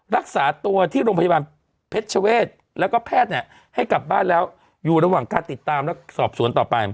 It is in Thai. รักษาตัวที่โรงพยาบาลเพชรเวศแล้วก็แพทย์เนี่ยให้กลับบ้านแล้วอยู่ระหว่างการติดตามและสอบสวนต่อไป